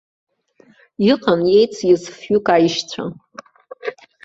Иҟан еициз фҩык аишьцәа.